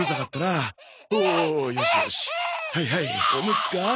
はいはいオムツか？